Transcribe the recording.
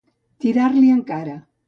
Tirar-li en cara.